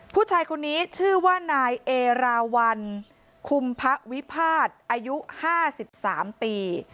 ผู้ชายคนนี้ชื่อว่านายเอราวันคุมพระวิพาทอายุ๕๓ปี